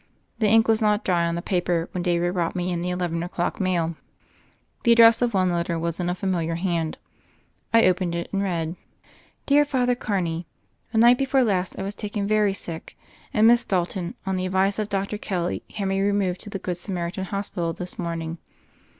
The ink was not dry on the paper when David brought me in the eleven o'clock mail. The address of one letter was in a familiar hand. I opened it, and read : "Dear Father Carney : The night before last I was taken very sick, and Miss Dalton, on the advice of Dr. Kelly, had me removed to the Good Samaritan Hospital this morning.